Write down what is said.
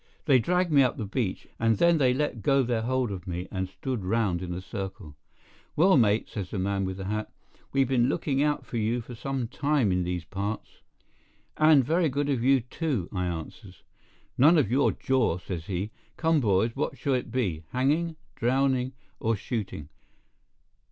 They dragged me up the beach, and then they let go their hold of me and stood round in a circle. "Well, mate," says the man with the hat, "we've been looking out for you some time in these parts." "And very good of you, too," I answers. "None of your jaw," says he. "Come, boys, what shall it be—hanging, drowning, or shooting?